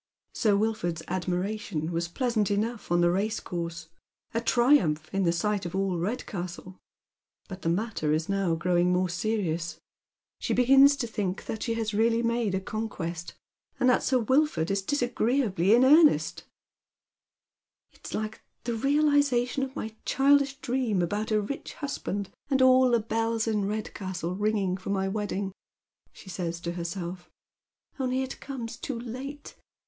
Sir Wilford's admiration was plejisant enough oti the racecourse, a triumph in the sight of all Kedcastle. but the my.tt.e4' is now growjug more eeiiouQ. She begins to thiR is A Dangerous Triumph. 125 that shelma really niaile a conquest, tliat Sir Wilford is (lisagTee ably in earnest. " It is like Uie realization of my cliildish dream aliotit a rich husband, and all the bells in Redcastle rinj^lng for my wedding," Bhe says to herself, " only it comes too late.